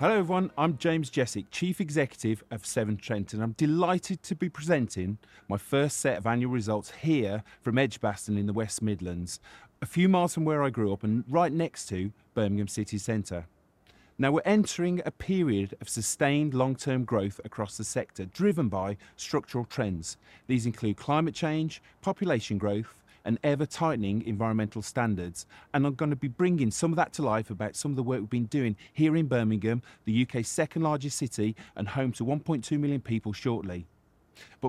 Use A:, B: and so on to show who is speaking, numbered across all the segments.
A: Hello, everyone. I'm James Jesic, Chief Executive of Severn Trent, and I'm delighted to be presenting my first set of annual results here from Edgbaston in the West Midlands, a few miles from where I grew up, and right next to Birmingham City Center. Now, we're entering a period of sustained long-term growth across the sector, driven by structural trends. These include climate change, population growth, and ever-tightening environmental standards. I'm gonna be bringing some of that to life about some of the work we've been doing here in Birmingham, the U.K.'s second-largest city, and home to 1.2 million people, shortly.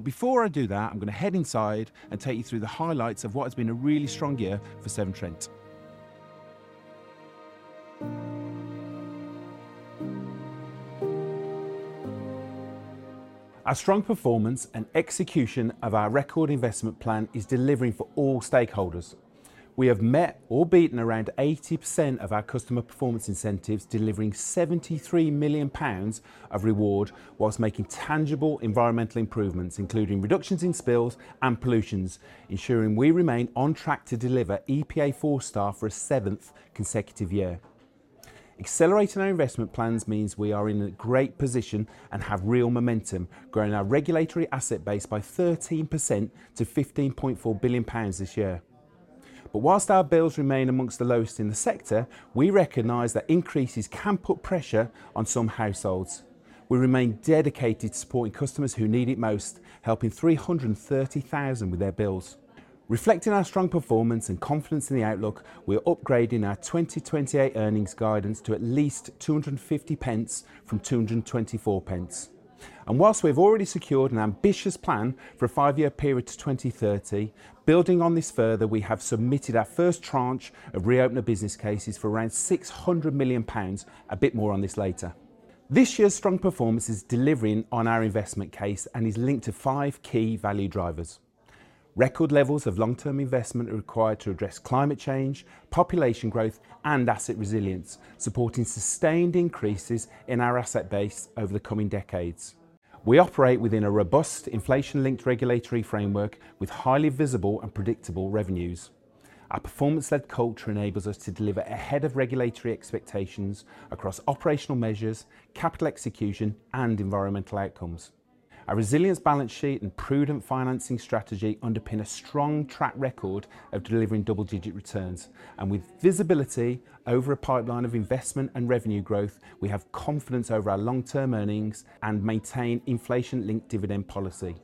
A: Before I do that, I'm gonna head inside and take you through the highlights of what has been a really strong year for Severn Trent. Our strong performance and execution of our record investment plan is delivering for all stakeholders. We have met or beaten around 80% of our customer performance incentives, delivering 73 million pounds of reward whilst making tangible environmental improvements, including reductions in spills and pollutions, ensuring we remain on track to deliver EPA 4-star for a 7th consecutive year. Accelerating our investment plans means we are in a great position and have real momentum, growing our regulatory asset base by 13% to 15.4 billion pounds this year. Whilst our bills remain amongst the lowest in the sector, we recognize that increases can put pressure on some households. We remain dedicated to supporting customers who need it most, helping 330,000 with their bills. Reflecting our strong performance and confidence in the outlook, we're upgrading our 2028 earnings guidance to at least 2.50 from 2.24. Whilst we've already secured an ambitious plan for a five-year period to 2030, building on this further, we have submitted our first tranche of reopener business cases for around 600 million pounds. A bit more on this later. This year's strong performance is delivering on our investment case and is linked to five key value drivers. Record levels of long-term investment are required to address climate change, population growth, and asset resilience, supporting sustained increases in our asset base over the coming decades. We operate within a robust inflation-linked regulatory framework with highly visible and predictable revenues. Our performance-led culture enables us to deliver ahead of regulatory expectations across operational measures, capital execution, and environmental outcomes. Our resilience balance sheet and prudent financing strategy underpin a strong track record of delivering double-digit returns. With visibility over a pipeline of investment and revenue growth, we have confidence over our long-term earnings and maintain inflation-linked dividend policy.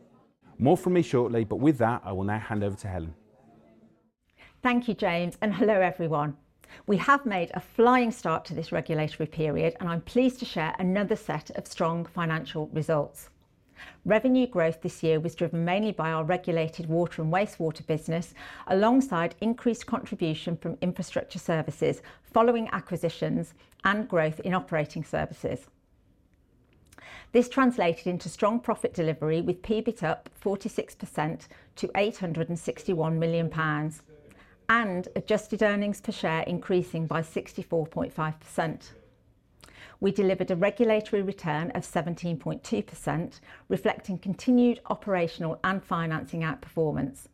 A: More from me shortly, but with that, I will now hand over to Helen.
B: Thank you, James, and hello, everyone. We have made a flying start to this regulatory period, and I'm pleased to share another set of strong financial results. Revenue growth this year was driven mainly by our regulated water and wastewater business, alongside increased contribution from infrastructure services following acquisitions and growth in operating services. This translated into strong profit delivery, with PBIT up 46% to 861 million pounds and adjusted earnings per share increasing by 64.5%. We delivered a regulatory return of 17.2%, reflecting continued operational and financing outperformance.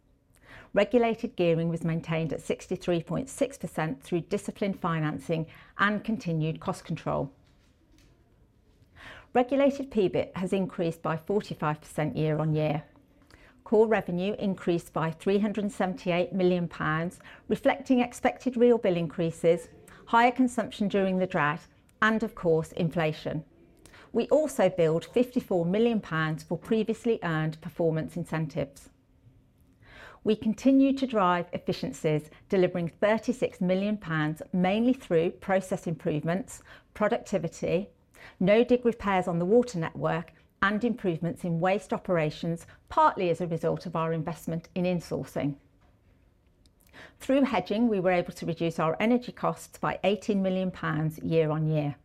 B: Regulated gearing was maintained at 63.6% through disciplined financing and continued cost control. Regulated PBIT has increased by 45% year-on-year. Core revenue increased by 378 million pounds, reflecting expected real bill increases, higher consumption during the drought, and of course, inflation. We also billed 54 million pounds for previously earned performance incentives. We continue to drive efficiencies, delivering 36 million pounds, mainly through process improvements, productivity, no-dig repairs on the water network, and improvements in waste operations, partly as a result of our investment in insourcing. Through hedging, we were able to reduce our energy costs by 18 million pounds year on year.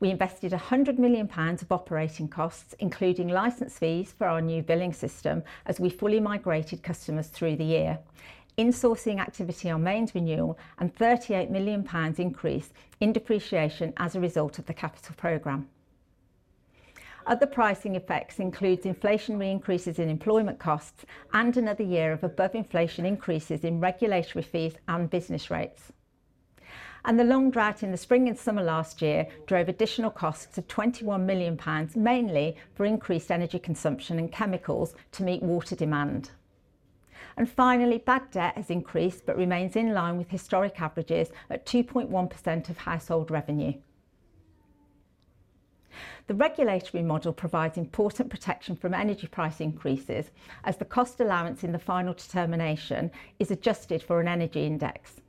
B: We invested 100 million pounds of operating costs, including license fees for our new billing system as we fully migrated customers through the year, insourcing activity on mains renewal, and 38 million pounds increase in depreciation as a result of the capital program. Other pricing effects includes inflationary increases in employment costs and another year of above-inflation increases in regulatory fees and business rates. The long drought in the spring and summer last year drove additional costs of 21 million pounds, mainly for increased energy consumption and chemicals to meet water demand. Finally, bad debt has increased, but remains in line with historic averages at 2.1% of household revenue. The regulatory model provides important protection from energy price increases as the cost allowance in the final determination is adjusted for an energy index.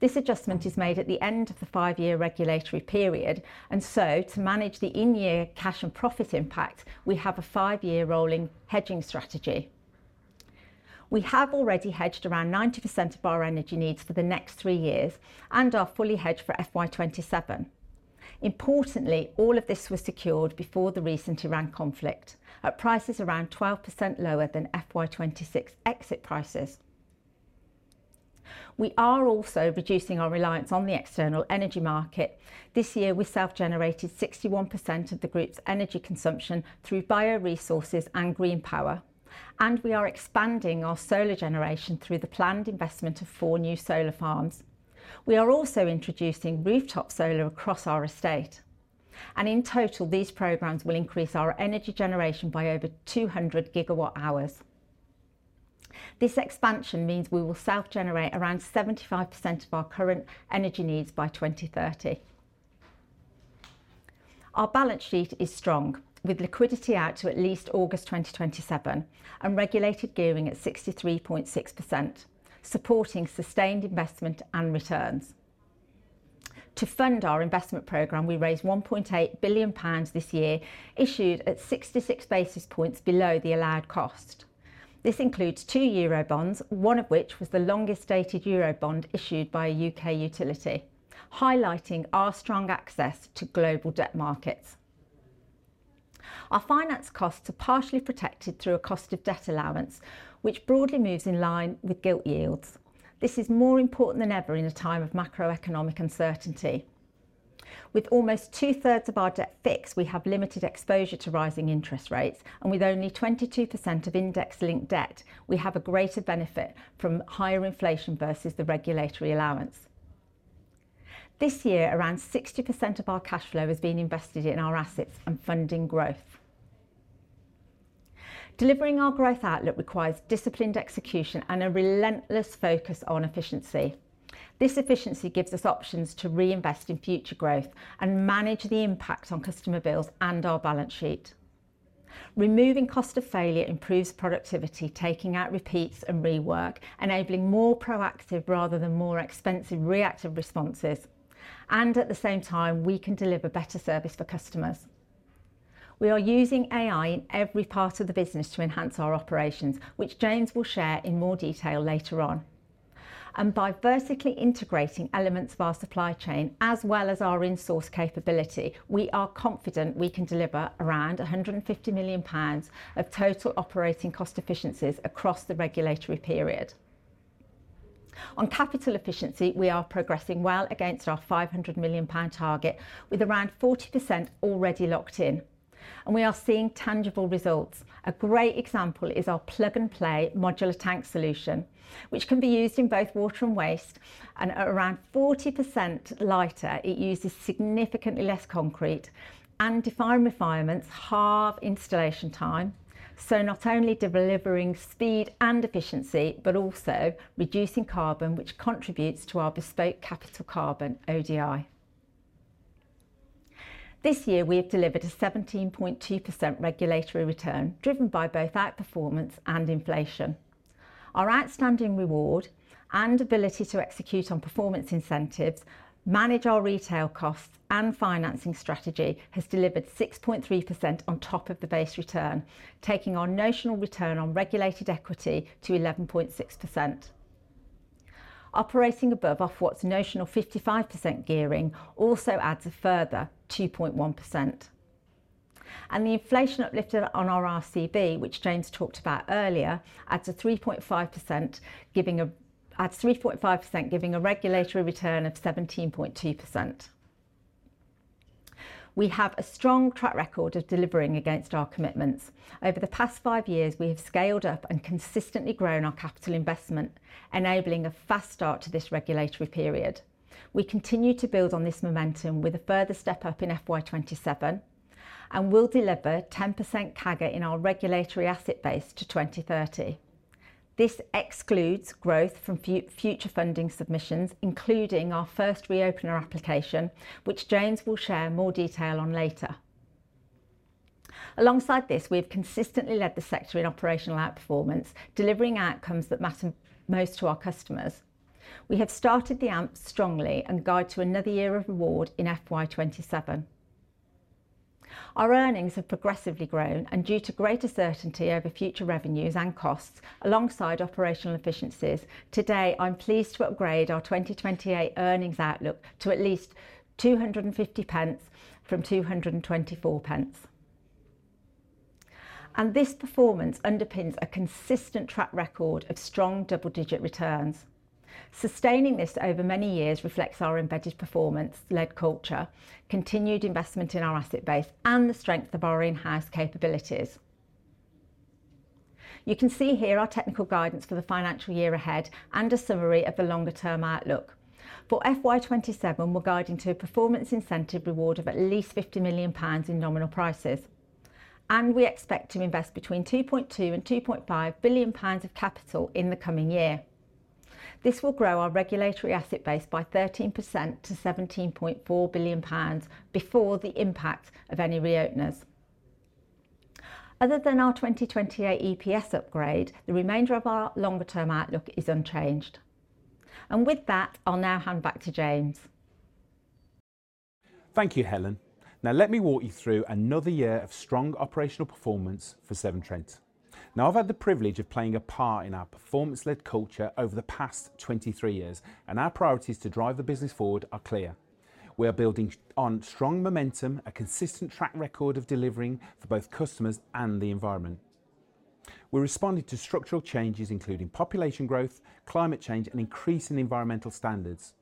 B: This adjustment is made at the end of the five-year regulatory period, and so to manage the in-year cash and profit impact, we have a five-year rolling hedging strategy. We have already hedged around 90% of our energy needs for the next three years and are fully hedged for FY 2027. Importantly, all of this was secured before the recent Iran conflict at prices around 12% lower than FY 2026 exit prices. We are also reducing our reliance on the external energy market. This year, we self-generated 61% of the group's energy consumption through bioresources and green power, and we are expanding our solar generation through the planned investment of four new solar farms. We are also introducing rooftop solar across our estate. In total, these programs will increase our energy generation by over 200 GWh. This expansion means we will self-generate around 75% of our current energy needs by 2030. Our balance sheet is strong, with liquidity out to at least August 2027 and regulated gearing at 63.6%, supporting sustained investment and returns. To fund our investment program, we raised 1.8 billion pounds this year, issued at 66 basis points below the allowed cost. This includes two Eurobonds, one of which was the longest dated Eurobond issued by a U.K. utility, highlighting our strong access to global debt markets. Our finance costs are partially protected through a cost of debt allowance, which broadly moves in line with gilt yields. This is more important than ever in a time of macroeconomic uncertainty. With almost two-thirds of our debt fixed, we have limited exposure to rising interest rates, and with only 22% of index-linked debt, we have a greater benefit from higher inflation versus the regulatory allowance. This year, around 60% of our cash flow has been invested in our assets and funding growth. Delivering our growth outlook requires disciplined execution and a relentless focus on efficiency. This efficiency gives us options to reinvest in future growth and manage the impact on customer bills and our balance sheet. Removing cost of failure improves productivity, taking out repeats and rework, enabling more proactive rather than more expensive reactive responses, and at the same time, we can deliver better service for customers. We are using AI in every part of the business to enhance our operations, which James will share in more detail later on. By vertically integrating elements of our supply chain as well as our insource capability, we are confident we can deliver around 150 million pounds of total operating cost efficiencies across the regulatory period. On capital efficiency, we are progressing well against our 500 million pound target with around 40% already locked in, and we are seeing tangible results. A great example is our plug and play modular tank solution, which can be used in both water and waste, and at around 40% lighter, it uses significantly less concrete and defined refinements halve installation time, so not only delivering speed and efficiency, but also reducing carbon, which contributes to our bespoke capital carbon ODI. This year, we have delivered a 17.2% regulatory return driven by both outperformance and inflation. Our outstanding reward and ability to execute on performance incentives, manage our retail costs, and financing strategy has delivered 6.3% on top of the base return, taking our notional return on regulated equity to 11.6%. Operating above Ofwat's notional 55% gearing also adds a further 2.1%. The inflation uplift on our RCV, which James talked about earlier, adds 3.5%, giving a regulatory return of 17.2%. We have a strong track record of delivering against our commitments. Over the past five years, we have scaled up and consistently grown our capital investment, enabling a fast start to this regulatory period. We continue to build on this momentum with a further step up in FY 2027. We'll deliver 10% CAGR in our regulatory asset base to 2030. This excludes growth from future funding submissions, including our first reopener application, which James will share more detail on later. Alongside this, we have consistently led the sector in operational outperformance, delivering outcomes that matter most to our customers. We have started the AMP strongly and guide to another year of reward in FY 2027. Our earnings have progressively grown and due to greater certainty over future revenues and costs alongside operational efficiencies, today I'm pleased to upgrade our 2028 earnings outlook to at least 250 from 224. This performance underpins a consistent track record of strong double-digit returns. Sustaining this over many years reflects our embedded performance-led culture, continued investment in our asset base, and the strength of our in-house capabilities. You can see here our technical guidance for the financial year ahead and a summary of the longer-term outlook. For FY 2027, we're guiding to a performance incentive reward of at least 50 million pounds in nominal prices. We expect to invest between 2.2 billion and 2.5 billion pounds of capital in the coming year. This will grow our regulatory asset base by 13% to 17.4 billion pounds before the impact of any reopeners. Other than our 2028 EPS upgrade, the remainder of our longer-term outlook is unchanged. With that, I'll now hand back to James.
A: Thank you, Helen. Let me walk you through another year of strong operational performance for Severn Trent. I've had the privilege of playing a part in our performance-led culture over the past 23 years, and our priorities to drive the business forward are clear. We are building on strong momentum, a consistent track record of delivering for both customers and the environment. We're responding to structural changes including population growth, climate change, and increasing environmental standards.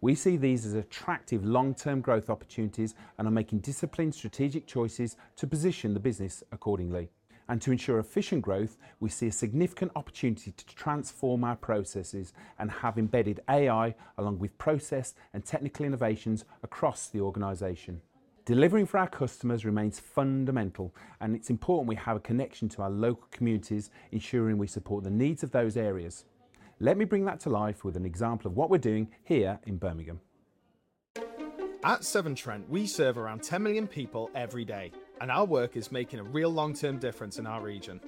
A: We see these as attractive long-term growth opportunities and are making disciplined strategic choices to position the business accordingly. To ensure efficient growth, we see a significant opportunity to transform our processes and have embedded AI along with process and technical innovations across the organization. Delivering for our customers remains fundamental, and it's important we have a connection to our local communities, ensuring we support the needs of those areas. Let me bring that to life with an example of what we're doing here in Birmingham.
C: At Severn Trent, we serve around 10 million people every day, and our work is making a real long-term difference in our region.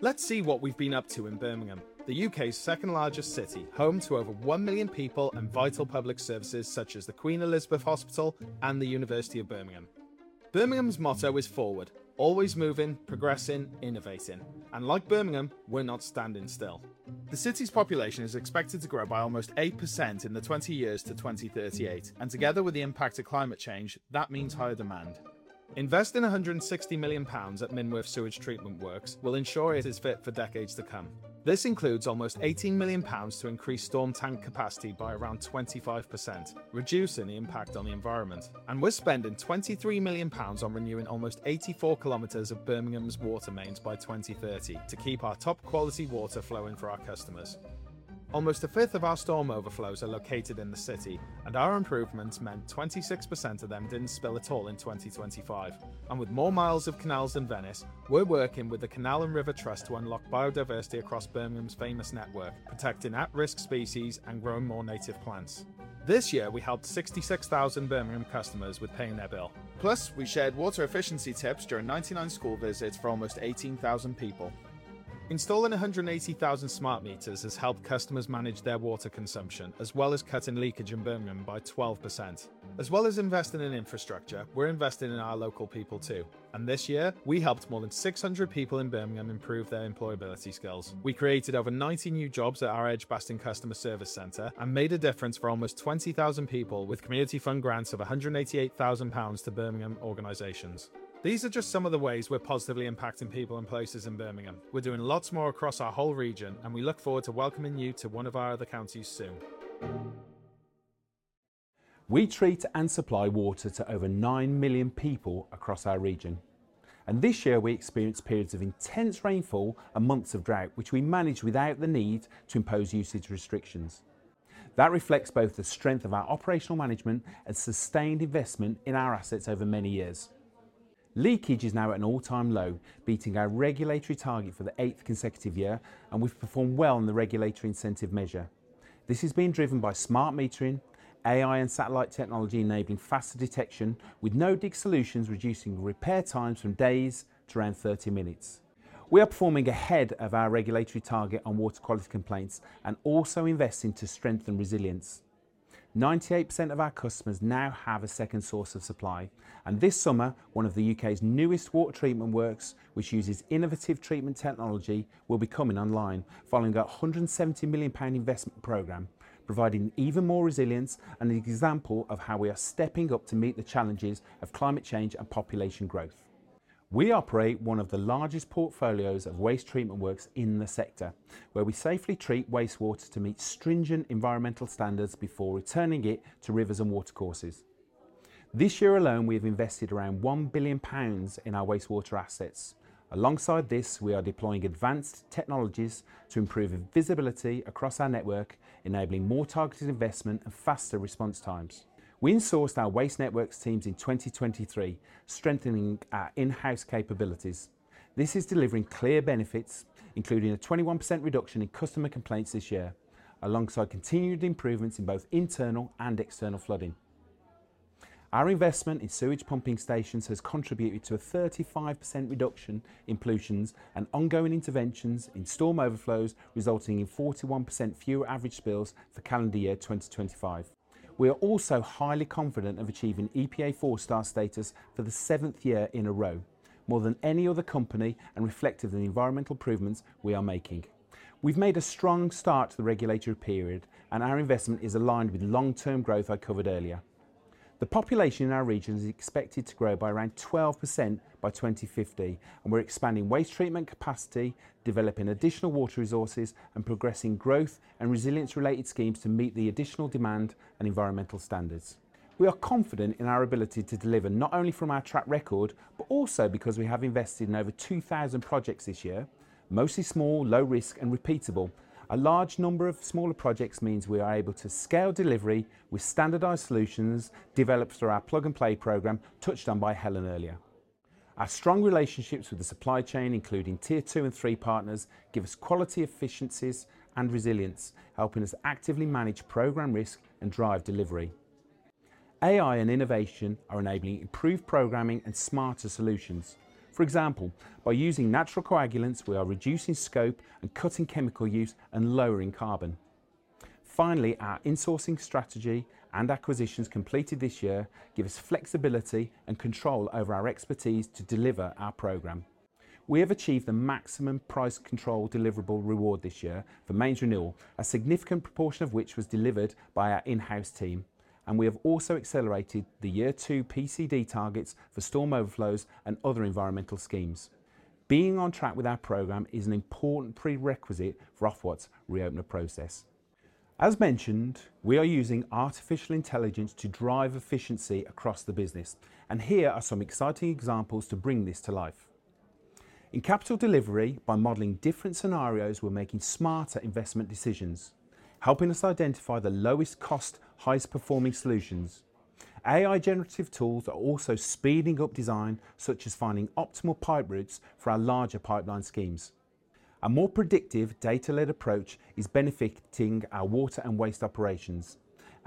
C: Let's see what we've been up to in Birmingham, the U.K.'s second-largest city, home to over 1 million people and vital public services such as the Queen Elizabeth Hospital and the University of Birmingham. Birmingham's motto is forward, always moving, progressing, innovating. Like Birmingham, we're not standing still. The city's population is expected to grow by almost 8% in the 20 years to 2038. Together with the impact of climate change, that means higher demand. Investing 160 million pounds at Minworth Sewage Treatment Works will ensure it is fit for decades to come. This includes almost 18 million pounds to increase storm tank capacity by around 25%, reducing the impact on the environment. We're spending 23 million pounds on renewing almost 84 km of Birmingham's water mains by 2030 to keep our top-quality water flowing for our customers. Almost a fifth of our storm overflows are located in the city, our improvements meant 26% of them didn't spill at all in 2025. With more miles of canals than Venice, we're working with the Canal & River Trust to unlock biodiversity across Birmingham's famous network, protecting at-risk species and growing more native plants. This year, we helped 66,000 Birmingham customers with paying their bill. We shared water efficiency tips during 99 school visits for almost 18,000 people. Installing 180,000 smart meters has helped customers manage their water consumption, as well as cutting leakage in Birmingham by 12%. As well as investing in infrastructure, we're investing in our local people, too, and this year, we helped more than 600 people in Birmingham improve their employability skills. We created over 90 new jobs at our Edgbaston customer service center and made a difference for almost 20,000 people with community fund grants of 188,000 pounds to Birmingham organizations. These are just some of the ways we're positively impacting people and places in Birmingham. We're doing lots more across our whole region, and we look forward to welcoming you to one of our other counties soon.
A: We treat and supply water to over 9 million people across our region, and this year, we experienced periods of intense rainfall and months of drought, which we managed without the need to impose usage restrictions. That reflects both the strength of our operational management and sustained investment in our assets over many years. Leakage is now at an all-time low, beating our regulatory target for the eighth consecutive year, and we've performed well on the regulatory incentive measure. This is being driven by smart metering, AI and satellite technology enabling faster detection, with no-dig solutions reducing repair times from days to around 30 minutes. We are performing ahead of our regulatory target on water quality complaints and also investing to strengthen resilience. 98% of our customers now have a second source of supply, and this summer, one of the U.K.'s newest water treatment works, which uses innovative treatment technology, will be coming online following our 170 million pound investment program, providing even more resilience and an example of how we are stepping up to meet the challenges of climate change and population growth. We operate one of the largest portfolios of waste treatment works in the sector, where we safely treat wastewater to meet stringent environmental standards before returning it to rivers and water courses. This year alone, we have invested around 1 billion pounds in our wastewater assets. Alongside this, we are deploying advanced technologies to improve visibility across our network, enabling more targeted investment and faster response times. We insourced our waste networks teams in 2023, strengthening our in-house capabilities. This is delivering clear benefits, including a 21% reduction in customer complaints this year, alongside continued improvements in both internal and external flooding. Our investment in sewage pumping stations has contributed to a 35% reduction in pollutions and ongoing interventions in storm overflows, resulting in 41% fewer average spills for calendar year 2025. We are also highly confident of achieving EPA 4-star status for the seventh year in a row, more than any other company, and reflective of the environmental improvements we are making. We've made a strong start to the regulatory period. Our investment is aligned with long-term growth I covered earlier. The population in our region is expected to grow by around 12% by 2050, and we're expanding waste treatment capacity, developing additional water resources, and progressing growth and resilience-related schemes to meet the additional demand and environmental standards. We are confident in our ability to deliver not only from our track record but also because we have invested in over 2,000 projects this year, mostly small, low-risk, and repeatable. A large number of smaller projects means we are able to scale delivery with standardized solutions developed through our plug-and-play program touched on by Helen earlier. Our strong relationships with the supply chain, including tier 2 and 3 partners, give us quality efficiencies and resilience, helping us actively manage program risk and drive delivery. AI and innovation are enabling improved programming and smarter solutions. For example, by using natural coagulants, we are reducing scope and cutting chemical use and lowering carbon. Finally, our insourcing strategy and acquisitions completed this year give us flexibility and control over our expertise to deliver our program. We have achieved the maximum price control deliverable reward this year for mains renewal, a significant proportion of which was delivered by our in-house team, and we have also accelerated the year two PCD targets for storm overflows and other environmental schemes. Being on track with our program is an important prerequisite for Ofwat's reopening process. As mentioned, we are using artificial intelligence to drive efficiency across the business, and here are some exciting examples to bring this to life. In capital delivery, by modeling different scenarios, we're making smarter investment decisions, helping us identify the lowest cost, highest performing solutions. AI generative tools are also speeding up design, such as finding optimal pipe routes for our larger pipeline schemes. A more predictive data-led approach is benefiting our water and waste operations.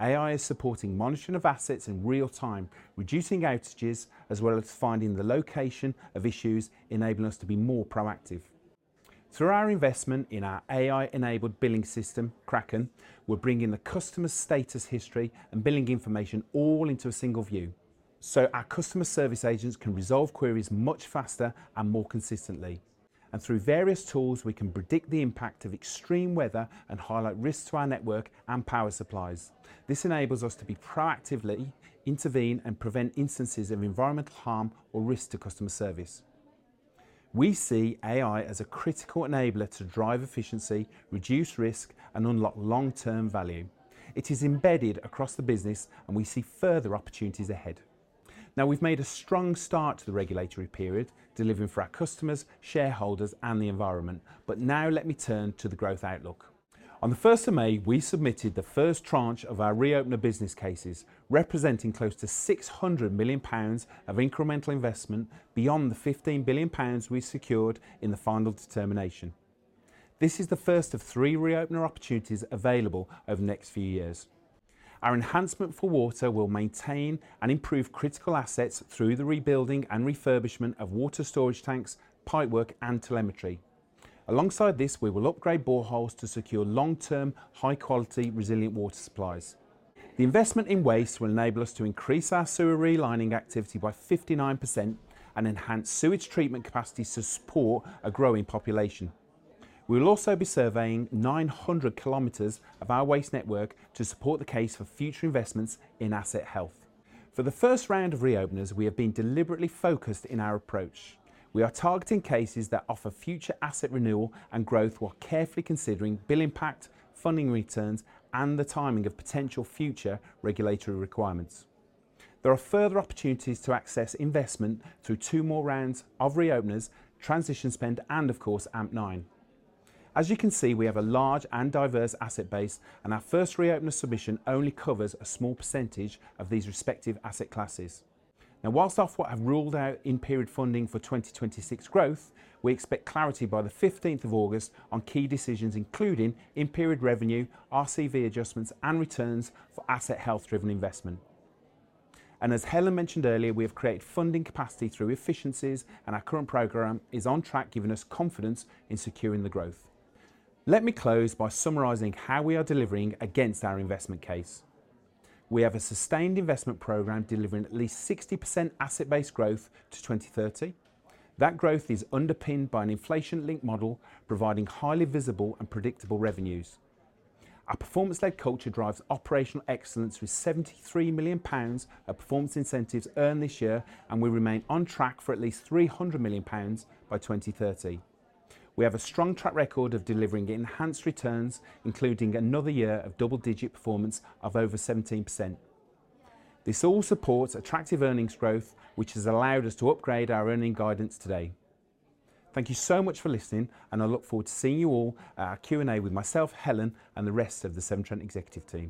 A: AI is supporting monitoring of assets in real time, reducing outages, as well as finding the location of issues, enabling us to be more proactive. Through our investment in our AI-enabled billing system, Kraken, we're bringing the customer status history and billing information all into a single view so our customer service agents can resolve queries much faster and more consistently. Through various tools, we can predict the impact of extreme weather and highlight risks to our network and power supplies. This enables us to be proactively intervene and prevent instances of environmental harm or risk to customer service. We see AI as a critical enabler to drive efficiency, reduce risk, and unlock long-term value. It is embedded across the business, we see further opportunities ahead. We've made a strong start to the regulatory period, delivering for our customers, shareholders, and the environment. Let me turn to the growth outlook. On the 1st of May, we submitted the first tranche of our reopener business cases, representing close to 600 million pounds of incremental investment beyond the 15 billion pounds we secured in the final determination. This is the first of three reopener opportunities available over the next few years. Our enhancement for water will maintain and improve critical assets through the rebuilding and refurbishment of water storage tanks, pipework, and telemetry. Alongside this, we will upgrade boreholes to secure long-term, high-quality, resilient water supplies. The investment in waste will enable us to increase our sewer relining activity by 59% and enhance sewage treatment capacity to support a growing population. We'll also be surveying 900 km of our waste network to support the case for future investments in asset health. For the first round of reopeners, we have been deliberately focused in our approach. We are targeting cases that offer future asset renewal and growth while carefully considering bill impact, funding returns, and the timing of potential future regulatory requirements. There are further opportunities to access investment through two more rounds of reopeners, transition spend and, of course, AMP9. As you can see, we have a large and diverse asset base, and our first reopener submission only covers a small percentage of these respective asset classes. Now, whilst Ofwat have ruled out in-period funding for 2026 growth, we expect clarity by the 15th of August on key decisions, including in-period revenue, RCV adjustments, and returns for asset health-driven investment. As Helen mentioned earlier, we have created funding capacity through efficiencies, and our current program is on track, giving us confidence in securing the growth. Let me close by summarizing how we are delivering against our investment case. We have a sustained investment program delivering at least 60% asset-based growth to 2030. That growth is underpinned by an inflation-linked model, providing highly visible and predictable revenues. Our performance-led culture drives operational excellence with 73 million pounds of performance incentives earned this year, and we remain on track for at least 300 million pounds by 2030. We have a strong track record of delivering enhanced returns, including another year of double-digit performance of over 17%. This all supports attractive earnings growth, which has allowed us to upgrade our earning guidance today. Thank you so much for listening. I look forward to seeing you all at our Q&A with myself, Helen, and the rest of the Severn Trent executive team.